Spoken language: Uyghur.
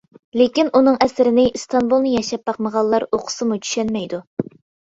لېكىن، ئۇنىڭ ئەسىرىنى ئىستانبۇلنى ياشاپ باقمىغانلار ئوقۇسىمۇ چۈشەنمەيدۇ.